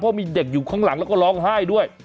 เพราะมีเด็กอยู่ข้างหลังแล้วก็ร้องไห้ด้วย